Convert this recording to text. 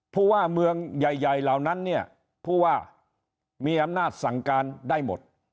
ผู้ว่าเมืองใหญ่เหล่านั้นเนี่ยผู้ว่ามีอำนาจสั่งการได้หมด